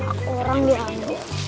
hak orang diambil